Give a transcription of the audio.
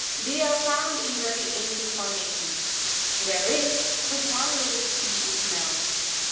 They are found in very ancient for Sa mations. There is® but one living yyy, species known. 10.